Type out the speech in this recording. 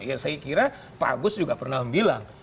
ya saya kira pak agus juga pernah bilang